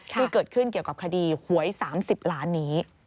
ที่เกิดขึ้นเกี่ยวกับคดีหวย๓๐ล้านนี้